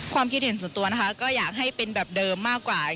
ความคิดเห็นส่วนตัวนะคะก็อยากให้เป็นแบบเดิมมากกว่า